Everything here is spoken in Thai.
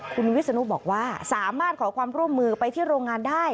คุณวิศนุบอกว่าสามารถขอความร่วมมือไปที่โรงงานได้